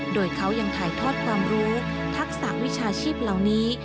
โดยเขายังถ่ายทอดความรู้ทักษะวิชาชีพเหล่านี้